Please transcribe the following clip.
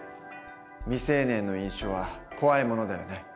未成年の飲酒は怖いものだよね。